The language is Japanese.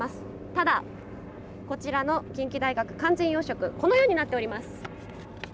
ただ、こちらの近畿大学完全養殖このようになっております。